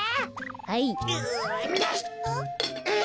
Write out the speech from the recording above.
はい。